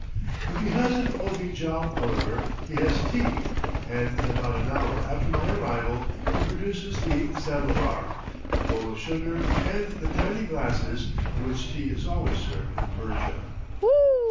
If he hasn't ob i jow, however, he has tea, and in about an hour after my arrival he produces the samovar, a bowl of sugar, and the tiny glasses in which tea is always served in Persia.